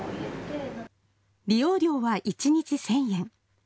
利用料は一日１０００円。